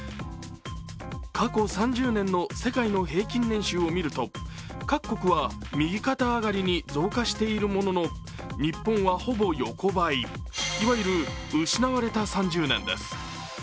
過去３０年の世界の平均年収を見ると、各国は右肩上がりに増加しているものの日本はほぼ横ばい、いわゆる失われた３０年です。